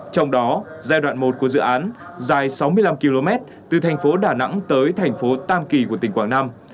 trong đó giai đoạn một của dự án dài sáu mươi năm km từ thành phố đà nẵng tới thành phố tam kỳ của tỉnh quảng nam